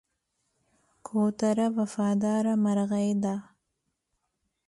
کوتره وفاداره مرغه ده.